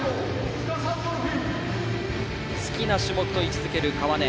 好きな種目と位置づける川根。